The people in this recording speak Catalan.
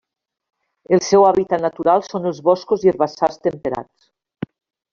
El seu hàbitat natural són els boscos i herbassars temperats.